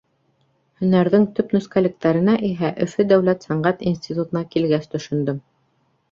Һөнәрҙең төп нескәлектәренә иһә Өфө дәүләт сәнғәт институтына килгәс төшөндөм.